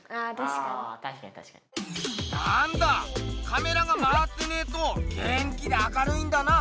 カメラがまわってねえと元気で明るいんだな！